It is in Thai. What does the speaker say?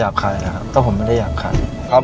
แล้วกลวนใจไหมครับ